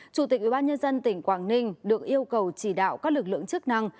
chủ tịch ủy ban nhân dân tỉnh quảng ninh được yêu cầu chỉ đạo các lực lượng chức năng